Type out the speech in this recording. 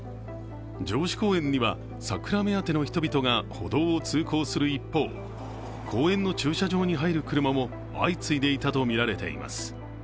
城址公園には桜目当ての人々が歩道を通行する一方、公園の駐車場に入る車も相次いでいたとみられています。